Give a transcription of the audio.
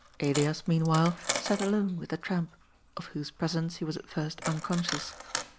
Elias, meanwhile, sat alone with the tramp, of whose presence he was at first unconscious.